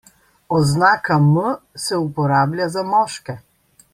Oznaka M se uporablja za moške.